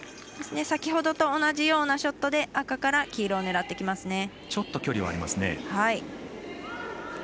先ほどと同じようなショットで赤から黄色を狙ってきます。